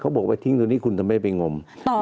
บอกว่าทิ้งตรงนี้คุณทำไมไปงม